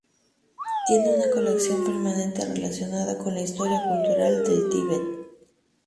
Tiene una colección permanente relacionada con la historia cultural del Tíbet.